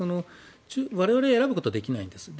我々は選ぶことはできないんです。